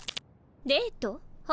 デート？は？